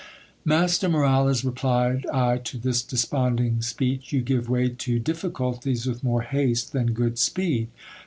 Master Moralez, replied I to this desponding speech, you give way to diffi culties with more haste than good speed.